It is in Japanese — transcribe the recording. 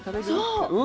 そう！